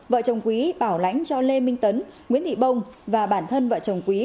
vợ chồng quý bảo lãnh cho lê minh tấn nguyễn thị bông và bản thân vợ chồng quý